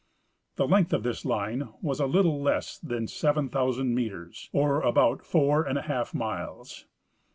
The length of this line was a little less than 7,000 metres, or about four and a half miles.